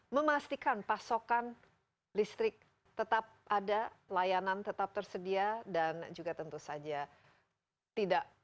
memastikan pasokan listrik tetap ada layanan tetap tersedia dan juga tentu saja tidak